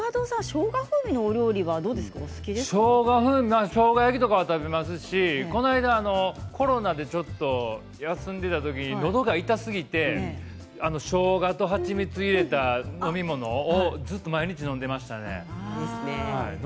しょうが風味はしょうが焼きも食べますしコロナでちょっと休んでいた時にのどが痛すぎてしょうがと蜂蜜を入れた飲み物をずっと毎日飲んでいました。